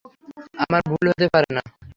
আমার ভুল হতে পারে না!